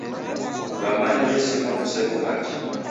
W'amanya w'esimwa kuseko hachi.